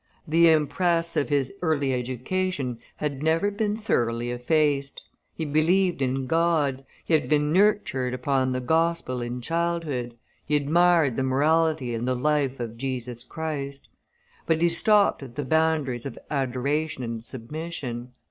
The impress of his early education had never been thoroughly effaced: he believed in God, he had been nurtured upon the Gospel in childhood, he admired the morality and the life of Jesus Christ; but he stopped at the boundaries of adoration and submission.